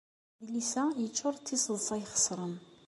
Adlis-a yeccuṛ d tiseḍsa ixeṣren.